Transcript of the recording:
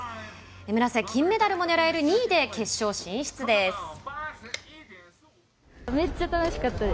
村瀬、金メダルも狙える２位で決勝進出です。